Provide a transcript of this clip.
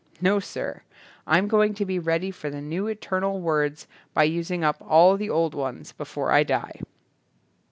No sir. I'm going to be ready for the new eternal words by using up all the old ones before I die."